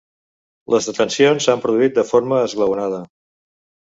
Les detencions s’han produït de forma esglaonada.